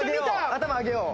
頭上げよう。